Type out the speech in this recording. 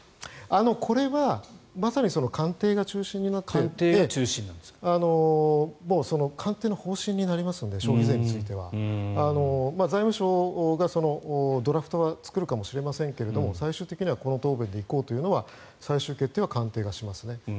これはまさに官邸が中心になって官邸の方針になりますので消費税については。財務省がドラフトは作るかもしれませんが最終的にはこの答弁で行こうというのは最終判断は官邸がしますね。